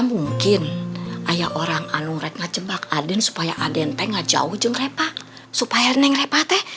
mungkin ayah orang anu red na cembak aden supaya aden tengah jauh jengrepa supaya eneng repate